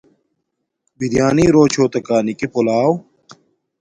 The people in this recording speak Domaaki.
بِریݳنݵ رݸچھݸتَکݳ نِکݵ پُلݳݸ؟